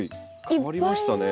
変わりましたね。